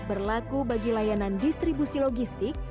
berlaku bagi layanan distribusi logistik